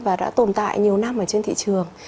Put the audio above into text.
và đã tồn tại nhiều năm ở trên thị trường